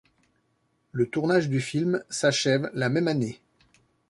Le tournage du film s’achève la même année.